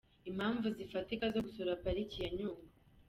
Impamvu zifatika zo gusura Pariki ya Nyungwe.